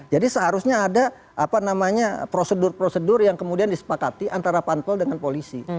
jadi seharusnya ada apa namanya prosedur prosedur yang kemudian disepakati antara pantpel dengan polisi